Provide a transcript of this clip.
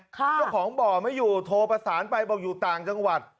เจ้าของบ่อไม่อยู่โทรประสานไปบอกอยู่ต่างจังหวัด